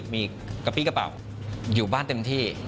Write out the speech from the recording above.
มีกระปี้กระเป๋าอยู่บ้านเต็มที่